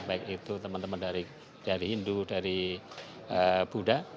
baik itu teman teman dari hindu dari buddha